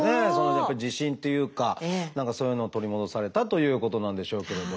やっぱり自信っていうか何かそういうのを取り戻されたということなんでしょうけれど。